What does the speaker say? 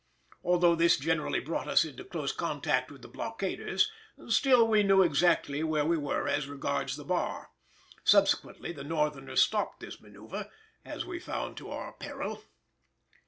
Although this generally brought us into close contact with the blockaders, still we knew exactly where we were as regards the bar. Subsequently the Northerners stopped this manœuvre, as we found to our peril.